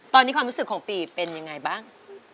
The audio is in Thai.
ตอนนี้ความรู้สึกของปีเป็นยังไงบ้าง